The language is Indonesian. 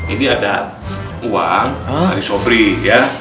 ini ada uang dari sobri ya